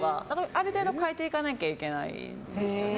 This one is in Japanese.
ある程度、変えていかなきゃいけないんですよね。